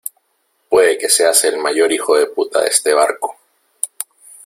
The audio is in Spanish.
puede que seas el mayor hijo de puta de este barco,